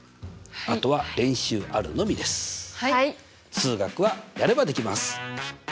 数学はやればできます！